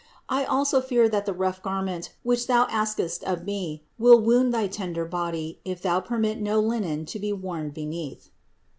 I also fear that the rough garment, which Thou askest of me, will wound thy tender body, if thou permit no linen to be worn beneath."